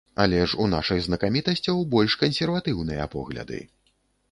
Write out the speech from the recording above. Але ж у нашых знакамітасцяў больш кансерватыўныя погляды.